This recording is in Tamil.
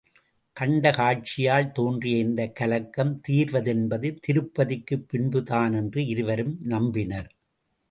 கண்ட காட்சியால் தோன்றிய இந்தக் கலக்கம் தீர்வதென்பது, திருப்திக்குப் பின்புதானென்று இருவரும் நம்பினர்.